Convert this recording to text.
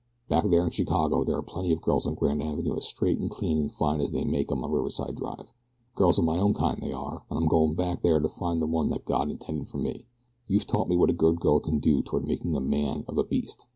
Back there in Chicago there are plenty of girls on Grand Avenue as straight and clean and fine as they make 'em on Riverside Drive. Girls of my own kind, they are, and I'm going back there to find the one that God intended for me. You've taught me what a good girl can do toward making a man of a beast.